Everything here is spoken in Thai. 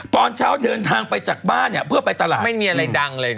ตอนเช้าเดินทางไปจากบ้านเพื่อไปตลาดไม่มีอะไรดังเลยนะ